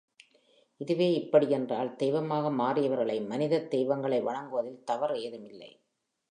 இதுவே இப்படி என்றால், தெய்வமாக மாறியவர்களை மனிதத் தெய்வங்களை வணங்குவதில் தவறு ஏதும் இல்லை.